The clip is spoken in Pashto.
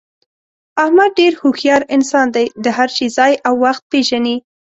احمد ډېر هوښیار انسان دی، د هر شي ځای او وخت پېژني.